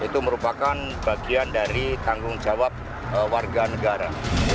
itu merupakan bagian dari tanggung jawab warga negara